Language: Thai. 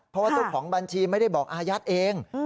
เพราะว่าเจ้าของบัญชีไม่ได้บอกอายัดเอง